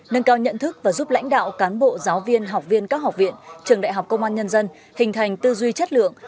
nâng cao nhận thức và giúp lãnh đạo cán bộ giáo viên học viên các học viện trường đại học công an nhân dân hình thành tư duy chất lượng